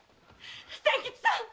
千吉さん！